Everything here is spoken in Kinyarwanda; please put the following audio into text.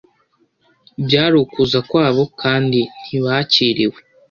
byari ukuza kwabo, kandi ntibakiriwe.